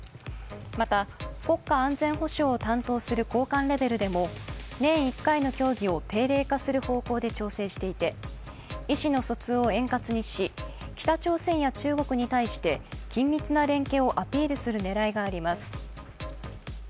また、国家安全保障を担当する高官レベルでも年１回の協議を定例化する方向で調整していて意思の疎通を円滑にし、北朝鮮や中国に対して、緊密な連携をアピールする狙いがあります。